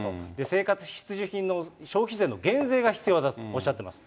生活必需品の消費税の減税が必要だとおっしゃってます。